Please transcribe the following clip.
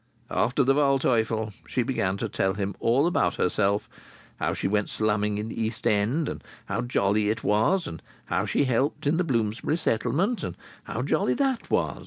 After the Waldteufel she began to tell him all about herself; how she went slumming in the East End, and how jolly it was. And how she helped in the Bloomsbury Settlement, and how jolly that was.